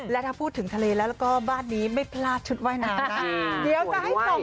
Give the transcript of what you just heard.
และถ้าพูดถึงทะเลแล้วก็บ้านนี้ไม่พลาดชุดว่ายน้ำนะเดี๋ยวจะให้ส่ง